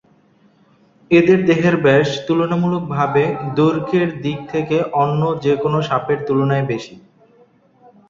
এদের দেহের ব্যাস তুলনামূলকভাবে দৈর্ঘ্যের দিক থেকে অন্য যেকোন সাপের তুলনায় বেশি।